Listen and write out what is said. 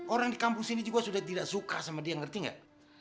orang di kampung sini juga sudah tidak suka sama dia ngerti gak